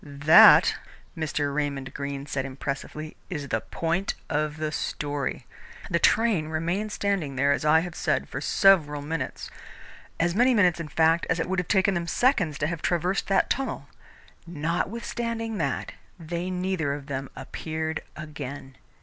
"That," Mr. Raymond Greene said impressively, "is the point of the story. The train remained standing there, as I have said, for several minutes as many minutes, in fact, as it would have taken them seconds to have traversed that tunnel. Notwithstanding that, they neither of them appeared again.